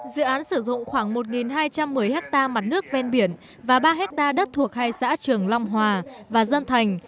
dự án sử dụng khoảng một hai trăm một mươi hectare mặt nước ven biển và ba hectare đất thuộc hai xã trường long hòa và dân thành